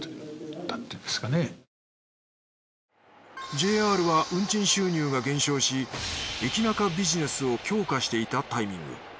ＪＲは運賃収入が減少し駅ナカビジネスを強化していたタイミング。